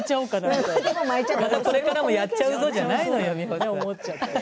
これからもやっちゃうぞじゃないのよ、美穂さん。